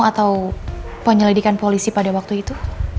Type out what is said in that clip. atau penyelidikan polisi pada waktu itu